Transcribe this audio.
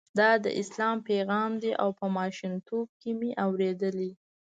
دا د اسلام پیغام دی او په ماشومتوب کې مې اورېدلی.